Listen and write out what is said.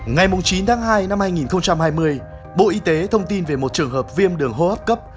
ngày chín tháng hai năm hai nghìn hai mươi bộ y tế thông tin về một trường hợp viêm đường hô hấp cấp